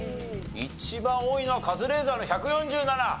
一番多いのはカズレーザーの１４７。